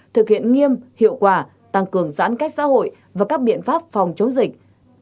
thực hiện nghiêm hiệu quả tăng cường giãn cách xã hội và các biện pháp phòng chống dịch